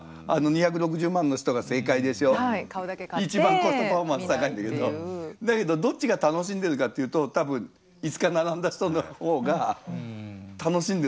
一番コストパフォーマンス高いんだけどだけどどっちが楽しんでるかっていうと多分５日並んだ人の方が楽しんでるんですよね。